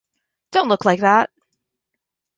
Don’t look like that.